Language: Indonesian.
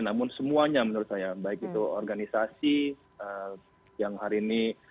namun semuanya menurut saya baik itu organisasi yang hari ini